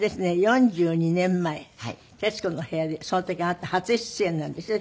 ４２年前『徹子の部屋』でその時あなた初出演なんですよ